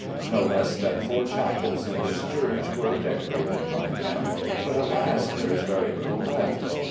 No less than four chapels in this church were decorated by him; but, alas! there is very little left.